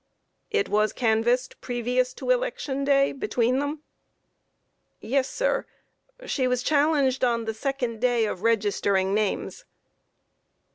Q. It was canvassed previous to election day between them? A. Yes, sir; she was challenged on the second day of registering names.